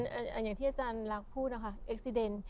ใช่ค่ะอย่างที่อาจารย์ลากพูดนะคะเอ็กซิเดนต์